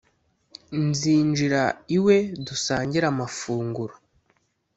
nzinjira iwe dusangire amafunguro